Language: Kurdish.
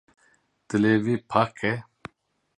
Dilê wî pak e.